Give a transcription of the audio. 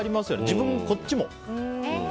自分、こっちも。